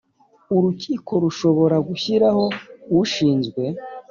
Urukiko rushobora gushyiraho ushinzwe